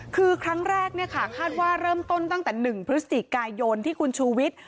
คือครั้งแรกคาดว่าเริ่มต้นตั้งแต่๑พฤศจิกายนที่คุณชูวิทย์